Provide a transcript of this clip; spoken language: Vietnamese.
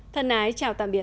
thân ái chào tạm biệt